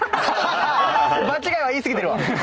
場違いは言い過ぎてるわ。